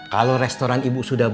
kalo restoran ibu sudah